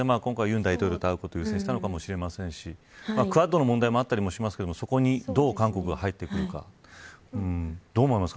優先で今回ユン大統領のところに行ったのかもしれませんしクアッドの問題もあったりしますがそこにどう韓国が入ってくるか。